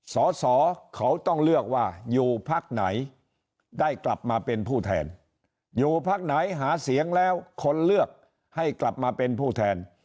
สอสอเขาต้องเลือกว่าอยู่พักไหนได้กลับมาเป็นผู้แทนอยู่พักไหนหาเสียงแล้วคนเลือกให้กลับมาเป็นผู้แทน